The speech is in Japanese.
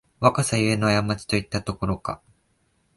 若さゆえのあやまちといったところか